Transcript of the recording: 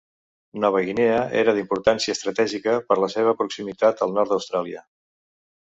Nova Guinea era d'importància estratègica per la seva proximitat al nord d'Austràlia.